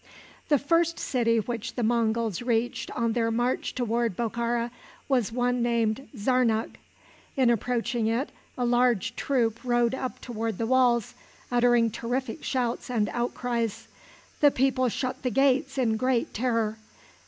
The first city which the Monguls reached on their march toward Bokhara was one named Zarnuk. In approaching it a large troop rode up toward the walls, uttering terrific shouts and outcries. The people shut the gates in great terror.